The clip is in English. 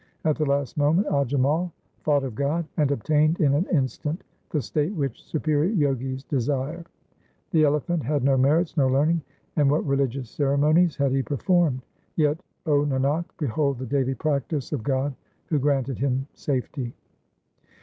At the last moment Ajamal thought of God, And obtained in an instant the state which superior Jogis desire. The elephant had no merits, no learning, and what religious ceremonies had he performed ? Yet, 0 Nanak, behold the daily practice of God who granted him safety.